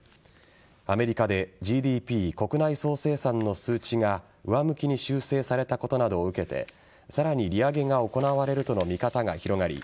アメリカでＧＤＰ＝国内総生産の数値が上向きに修正されたことなどを受けてさらに利上げが行われるとの見方が広がり